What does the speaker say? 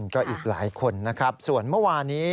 ก็อีกหลายคนส่วนเมื่อวานนี้